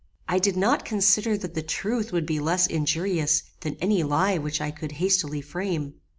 I did not consider that the truth would be less injurious than any lie which I could hastily frame.